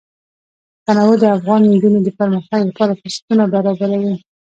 تنوع د افغان نجونو د پرمختګ لپاره فرصتونه برابروي.